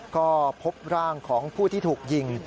ก็พบร่างของผู้ที่ถูกยิง